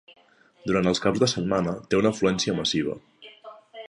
Durant els caps de setmana té una afluència massiva.